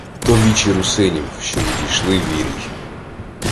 — То вічі русинів, що відійшли в ірій.